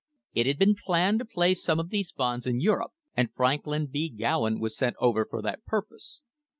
It had been planned to place some of these bonds in Europe, and Franklin B. Gowen was sent over for that purpose.